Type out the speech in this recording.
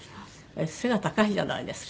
背が高いじゃないですか。